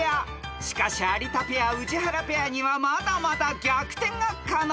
［しかし有田ペア宇治原ペアにはまだまだ逆転が可能］